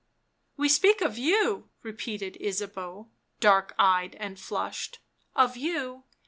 We speak of you," repeated Ysabeau, dark eyed and flushed, " of you